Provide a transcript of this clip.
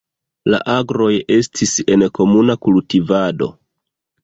La agroj estis en komuna kultivado.